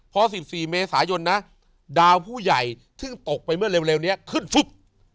พอ๑๔เมษายนนะดาวผู้ใหญ่ซึ่งตกไปเมื่อเร็วนี้ขึ้นฟุบ